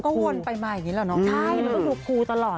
ไอ้เพื่อนใส่เมื่อไหร่มันก็ดูครู